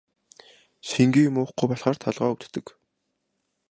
Шингэн юм уухгүй болохоор толгой өвдөг.